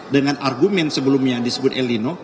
dengan argumen sebelumnya yang disebut eleno